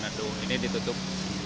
nandu ini ditutup